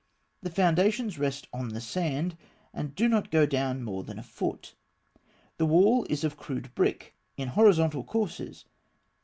The foundations rest on the sand, and do not go down more than a foot. The wall (fig. 27) is of crude brick, in horizontal courses.